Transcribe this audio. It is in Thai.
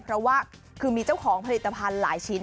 เพราะว่าคือมีเจ้าของผลิตภัณฑ์หลายชิ้น